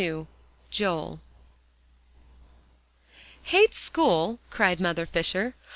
XXII JOEL "Hate school?" cried Mother Fisher.